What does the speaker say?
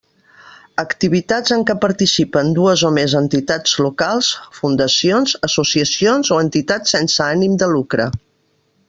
Activitats en què participen dues o més entitats locals, fundacions, associacions o entitats sense ànim de lucre.